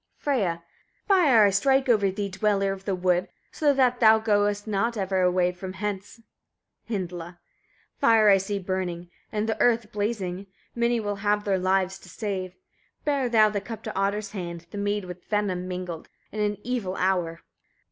Freyia. 46. Fire I strike over thee, dweller of the wood! so that thou goest not ever away from hence. Hyndla. 47. Fire I see burning, and the earth blazing; many will have their lives to save. Bear thou the cup to Ottar's hand, the mead with venom mingled, in an evil hour!